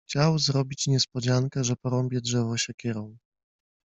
Chciał zrobić niespodziankę: że porąbie drzewo siekierą.